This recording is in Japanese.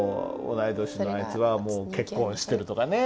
同い年のあいつはもう結婚してる」とかね